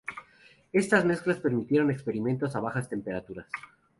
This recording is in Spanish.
Estas mezclas permitieron experimentos a bajas temperaturas.